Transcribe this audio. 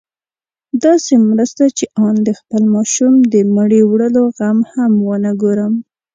داسې مرسته چې آن د خپل ماشوم د مړي وړلو غم هم ونه ګورم.